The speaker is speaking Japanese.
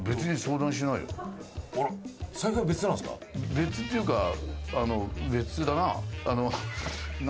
別っていうか別だな。